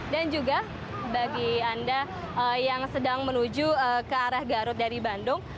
dan juga bagi anda yang sedang menuju ke arah garut dari bandung